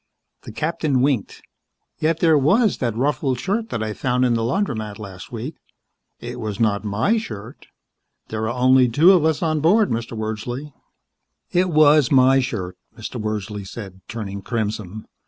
The captain winked. "Yet there was that ruffled shirt that I found in the laundromat last week. It was not my shirt. There are only the two of us aboard, Mr. Wordsley." "It was my shirt," Mr. Wordsley said, turning crimson.